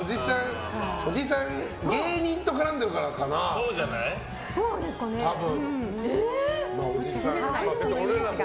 おじさん芸人と絡んでるからかな、多分。